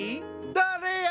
誰や？